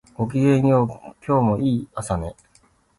ごきげんよう、今日もいい朝ね